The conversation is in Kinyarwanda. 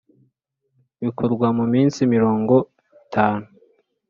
Bikorwa mu minsi mirongo itanu